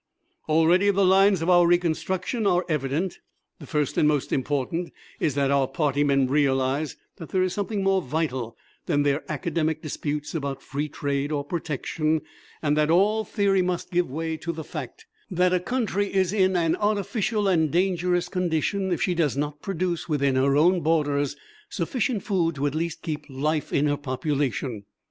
"Already the lines of our reconstruction are evident. The first and most important is that our Party men realize that there is something more vital than their academic disputes about Free Trade or Protection, and that all theory must give way to the fact that a country is in an artificial and dangerous condition if she does not produce within her own borders sufficient food to at least keep life in her population.